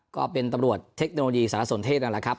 ก็เป็นตำรวจเทคโนโลยีสารสนเทศนั่นแหละครับ